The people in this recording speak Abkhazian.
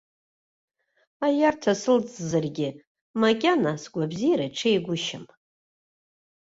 Аиарҭа сылҵзаргьы, макьана сгәабзиара ҽеигәышьам.